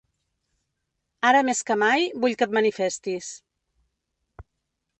Ara més que mai, vull que et manifestis.